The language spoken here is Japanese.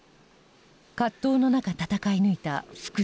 葛藤の中戦い抜いた不屈。